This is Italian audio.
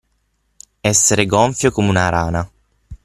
Essere gonfio come una rana.